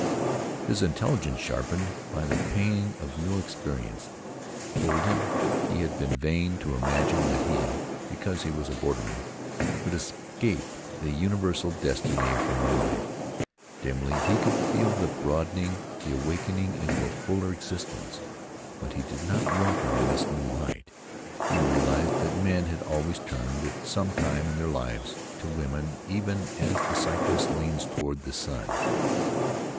His intelligence, sharpened by the pain of new experience, told him he had been vain to imagine that he, because he was a borderman, could escape the universal destiny of human life. Dimly he could feel the broadening, the awakening into a fuller existence, but he did not welcome this new light. He realized that men had always turned, at some time in their lives, to women even as the cypress leans toward the sun.